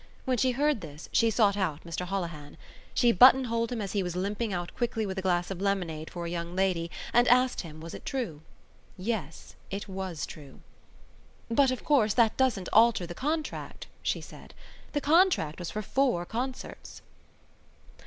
When she heard this, she sought out Mr Holohan. She buttonholed him as he was limping out quickly with a glass of lemonade for a young lady and asked him was it true. Yes, it was true. "But, of course, that doesn't alter the contract," she said. "The contract was for four concerts."